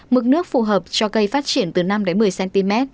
mực nước phù hợp cho cây phát triển từ năm đến một mươi cm